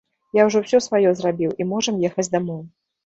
Я ўжо ўсё сваё зрабіў, і можам ехаць дамоў.